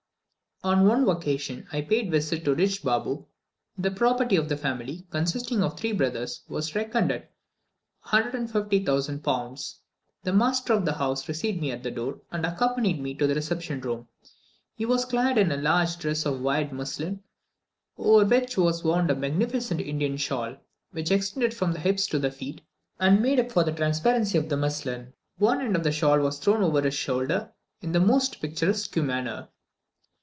On one occasion I paid a visit to a rich Baboo. The property of the family, consisting of three brothers, was reckoned at 150,000 pounds. The master of the house received me at the door, and accompanied me to the reception room. He was clad in a large dress of white muslin, over which was wound a magnificent Indian shawl, which extended from the hips to the feet, and made up for the transparency of the muslin. One end of the shawl was thrown over his shoulder in the most picturesque manner.